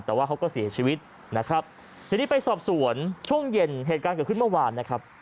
แต่ว่าเขาก็เสียชีวิตนะครับทีนี้ไปสอบสวนช่วงเย็นเหตุการณ์เกิดขึ้นเมื่อวานนะครับ